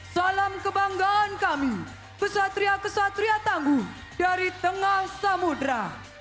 salam kebanggaan kami pesatria pesatria tangguh dari tengah samudera